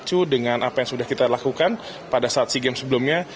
tercu dengan apa yang sudah kita lakukan pada saat sea games sebelumnya